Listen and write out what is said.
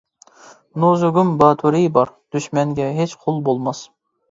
نۇزۇگۇم باتۇرى بار، دۈشمەنگە ھېچ قۇل بولماس!